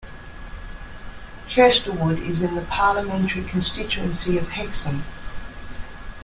Chesterwood is in the parliamentary constituency of Hexham.